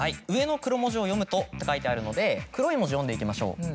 「上の黒文字を読むと」って書いているので黒い文字読んでいきましょう。